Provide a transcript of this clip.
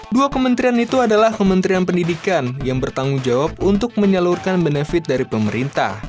dua kementerian itu adalah kementerian pendidikan yang bertanggung jawab untuk menyalurkan benefit dari pemerintah